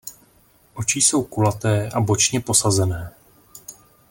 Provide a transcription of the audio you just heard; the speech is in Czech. Oči jsou kulaté a bočně posazené.